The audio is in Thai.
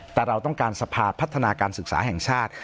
แต่เราต้องการสภาพัฒนาการศึกษาแห่งชาติ